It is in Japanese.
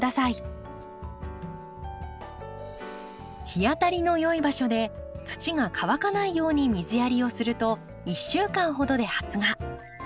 日当たりのよい場所で土が乾かないように水やりをすると１週間ほどで発芽。